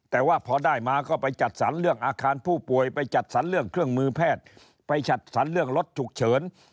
แต่ว่าพอได้มาก็ไปจัดสรรเรื่องอาคารผู้ป่วยไปจัดสรรเรื่องเครื่องมือแพทย์ไปจัดสรรเรื่องรถฉุกเฉิน